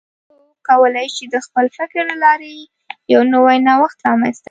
هر څوک کولی شي د خپل فکر له لارې یو نوی نوښت رامنځته کړي.